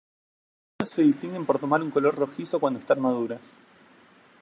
Las uvas se distinguen por tomar un color rojizo cuando están maduras.